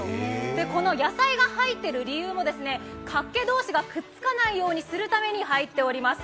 この野菜が入っている理由もかっけ同士がくっつかないようにするために入っております。